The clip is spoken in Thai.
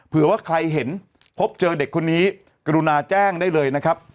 เผื่อว่าใครเห็นพบเจอเด็กคนนี้กรุณาแจ้งได้เลยนะครับ